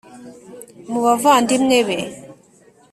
mu bavandimwe be.